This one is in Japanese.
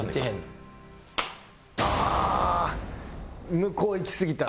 向こう行きすぎたな。